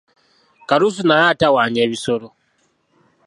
Kalusu naye atawaanya ebisolo.